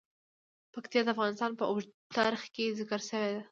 پکتیا د افغانستان په اوږده تاریخ کې ذکر شوی دی.